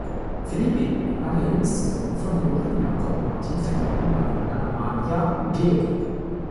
Philippi war der jüngste Sohn von Johann Jacob Martin Philippi Marianne Amalia geb.